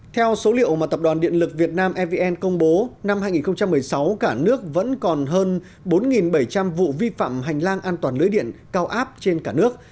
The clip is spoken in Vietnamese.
theo số liệu mà tập đoàn điện lực việt nam evn công bố năm hai nghìn một mươi sáu cả nước vẫn còn hơn bốn bảy trăm linh vụ vi phạm hành lang an toàn lưới điện cao áp trên cả nước